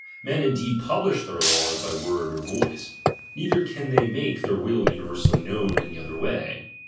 Men indeed publish their laws by word or voice ; neither can they make their will universally known any other way.